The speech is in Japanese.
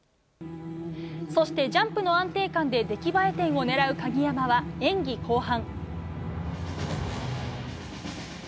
そして、ジャンプの安定感で出来栄え点を狙う鍵山は演技後半。